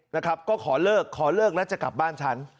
นะครับก็ขอเลิกขอเลิกแล้วจะกลับบ้านฉัน